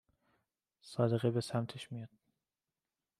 صادقی به سمتش میاد